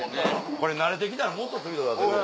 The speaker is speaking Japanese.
これ慣れてきたらもっとスピード出せる。